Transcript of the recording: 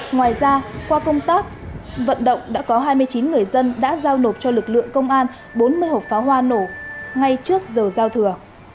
ngoài ra qua công tác vận động đã có hai mươi chín người dân đã giao nộp cho lực lượng công an bốn mươi hộp pháo hoa nổ ngay trước giờ giao thừa